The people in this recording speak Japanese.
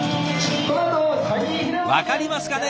分かりますかね？